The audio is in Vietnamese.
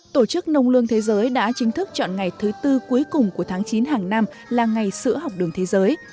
tổ chức nông lương thế giới đã chính thức chọn ngày thứ tư cuối cùng của tháng chín hàng năm là ngày sữa học đường thế giới